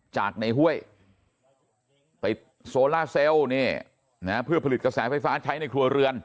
จากในห้วยติดโซล่าเซลล์เพื่อผลิตกระแสไฟฟ้าใช้ในครัวเรือน